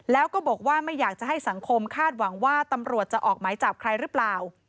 แล้วก็บอกว่าไม่อยากจะให้สังคมคาดหวังว่าตำรวจจะออกหมายจับใครหรือเปล่า